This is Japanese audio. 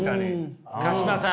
鹿島さん